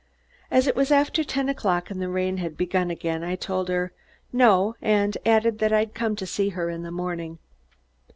As it was after ten o'clock and the rain had begun again, I told her "No," and added that I'd come to see her in the morning.